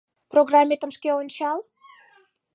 — Программетым шке ончал.